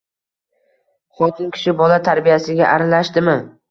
Xotin kishi bola tarbiyasiga aralashdimi